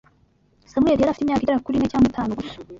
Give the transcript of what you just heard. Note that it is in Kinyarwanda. Samweli yari afite imyaka igera kuri ine cyangwa itanu gusa